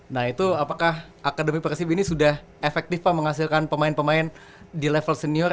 nah itu apakah akademi persib ini sudah efektif pak menghasilkan pemain pemain di level senior